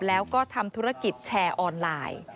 แล้วก็ทำธุรกิจแชร์ออนไลน์